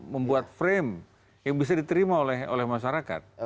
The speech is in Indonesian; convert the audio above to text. membuat frame yang bisa diterima oleh masyarakat